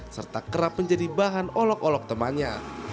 serta kerap menjadi bahan olok olok temannya